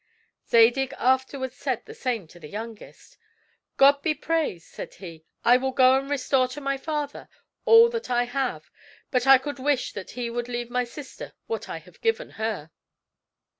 Zadig afterwards said the same to the youngest. "God be praised," said he, "I will go and restore to my father all that I have; but I could wish that he would leave my sister what I have given her."